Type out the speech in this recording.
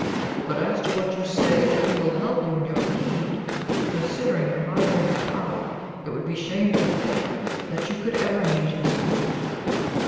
But as to what you say, that he will help you in your need, — considering your high rank and power, it would be shame to think, that you could ever need his help.